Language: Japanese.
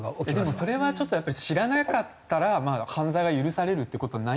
でもそれはちょっとやっぱり知らなかったら犯罪は許されるっていう事はないと思うので。